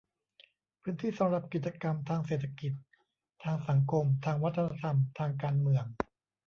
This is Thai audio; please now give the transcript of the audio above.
พื้นที่สำหรับกิจกรรมทางเศรษฐกิจ ทางสังคม ทางวัฒนธรรม ทางการเมือง